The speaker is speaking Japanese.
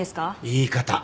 言い方。